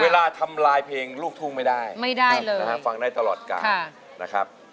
เวลาทำลายเพลงลูกทุ่งไม่ได้ฟังได้ตลอดการ